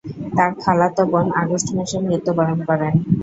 তার খালাতো বোন আগস্ট মাসে মৃত্যুবরণ করে।